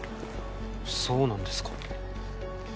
そうなんですか。